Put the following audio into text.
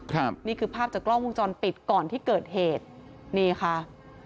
ครับนี่คือภาพจากกล้องวงจรปิดก่อนที่เกิดเหตุนี่ค่ะ